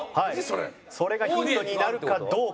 それがヒントになるかどうか。